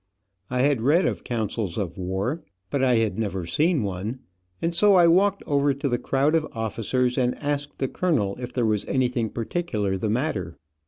I had read of councils of war, but I had never seen one, and so I walked over to the crowd of officers and asked the colonel if there was anything particular the matter.